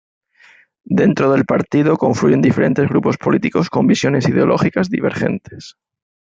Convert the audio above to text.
Dentro del partido confluyen diferentes grupos políticos con visiones ideológicas divergentes.